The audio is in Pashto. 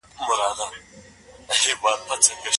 چې یو له بل پرته معنی نه لري.